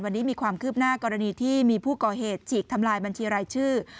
วันนี้มีความคืบหน้ากรณีที่มีผู้ก่อเหตุฉีกทำลายบัญชีรายชื่อ